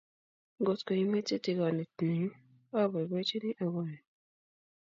Ngot imoche tigonet nyu, aboibochini akonin